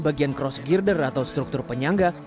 bagian cross girder atau struktur penyangga